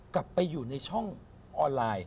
กลับไปอยู่ในช่องออนไลน์